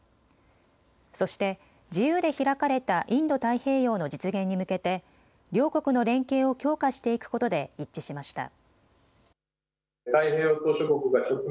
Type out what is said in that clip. そして自由で開かれたインド太平洋の実現に向けて両国の連携を強化していくことで一致しました。